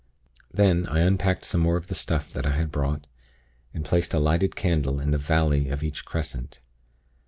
Then, I unpacked some more of the stuff that I had brought, and placed a lighted candle in the 'valley' of each Crescent.